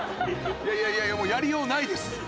いやいやいやもうやりようないです。